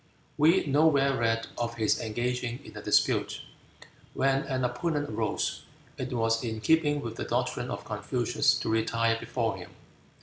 We nowhere read of his engaging in a dispute. When an opponent arose, it was in keeping with the doctrine of Confucius to retire before him.